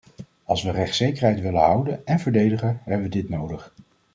Als we rechtszekerheid willen houden en verdedigen, hebben we dit nodig.